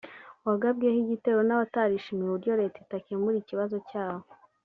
wagabweho igitero n’abatarishimiye uburyo Leta itakemuraga ikibazo cyabo